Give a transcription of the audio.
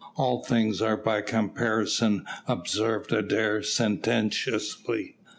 "All things are by comparison," observed Adair sententiously.